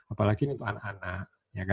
apalagi untuk anak anak